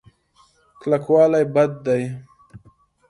کلکوالی بد دی.